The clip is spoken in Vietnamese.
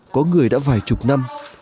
có người đã vài chục năm